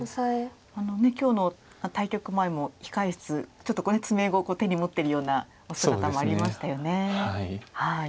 今日の対局前も控え室ちょっと詰碁を手を持ってるようなお姿もありましたよね。